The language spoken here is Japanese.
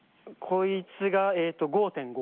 こいつが５．５。